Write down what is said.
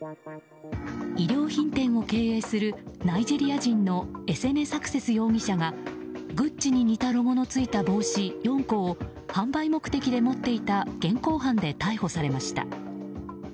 衣料品店を経営するナイジェリア人のエセネ・サクセス容疑者がグッチに似たロゴのついた帽子４個を販売目的で持っていた現行犯で逮捕されました。